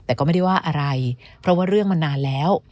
แต่ก็ไม่ได้ว่าอะไรเพราะว่าเรื่องมันนานแล้ว